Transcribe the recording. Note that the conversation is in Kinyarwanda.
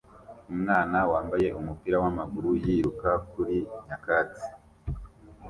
Umwana wambaye umupira wamaguru yiruka kuri nyakatsi